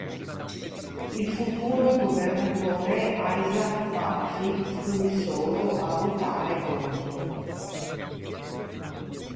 Il futuro governatore Isaac Murphy fu il solo a votare contro.